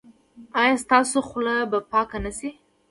ایا ستاسو خوله به پاکه نه شي؟